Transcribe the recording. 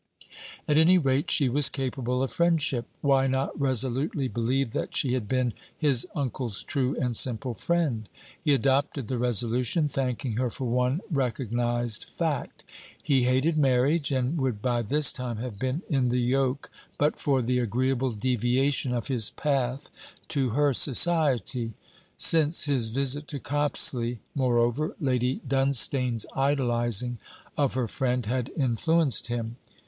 At any rate, she was capable of friendship. Why not resolutely believe that she had been his uncle's true and simple friend! He adopted the resolution, thanking her for one recognized fact: he hated marriage, and would by this time have been in the yoke, but for the agreeable deviation of his path to her society. Since his visit to Copsley, moreover, Lady Dunstane's idolizing, of her friend had influenced him.